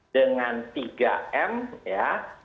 dengan tiga m ya